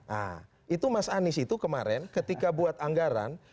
nah itu mas anies itu kemarin ketika buat anggaran